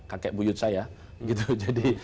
kakek buyut saya jadi